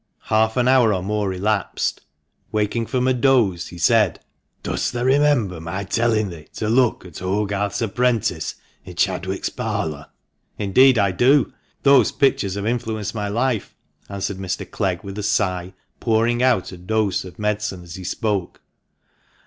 Half an hour or more elapsed. Waking from a doze, he said —" Dost thou remember my telling thee to look at ' Hogarth's Apprentice' in Chadwick's parlour?" THE MANCHESTER MAN. 383 " Indeed, I do ! Those pictures have influenced my life," answered Mr, Clegg with a sigh, pouring out a dose of medicine as he spoke.